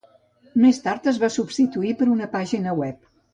Més tard es va substituir per una pàgina web.